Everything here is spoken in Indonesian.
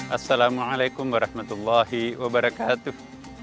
assalamualaikum warahmatullahi wabarakatuh